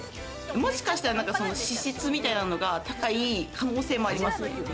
もしかしたらその脂質みたいのが高い可能性もありますね。